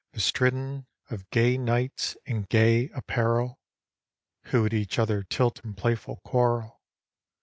Bestridden of gay knights, in gay apparel. Who at each other tilt in playful quarrel.